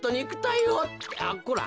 あっこら